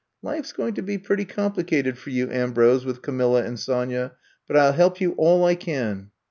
Life 's going to be pretty complicated for you, Ambrose, with Camilla and Sonya. But I '11 help you all I can.